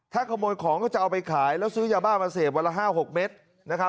ถ้าขโมยของก็จะเอาไปขายแล้วซื้อยาบ้ามาเสพวันละ๕๖เมตรนะครับ